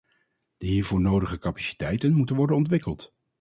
De hiervoor nodige capaciteiten moeten worden ontwikkeld.